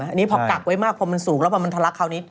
อันนี้พอกักไว้มากพอมันสูงแล้วพอมันทะลักคราวนี้